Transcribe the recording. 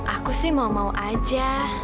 aku sih mau mau aja